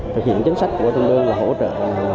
thực hiện chính sách của thông đơn là hỗ trợ